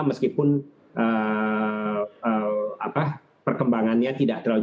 meskipun perkembangannya tidak terlalu